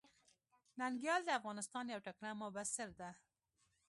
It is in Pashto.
ننګيال د افغانستان يو تکړه مبصر ده.